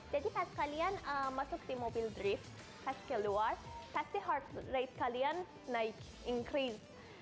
jadi pas kalian masuk di mobil drift pas keluar pasti heart rate kalian naik increase